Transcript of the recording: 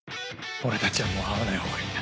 俺たちはもう会わないほうがいいんだ。